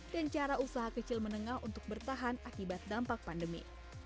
dan cara usaha kecil menengah untuk bertahan akibat dampak pandemi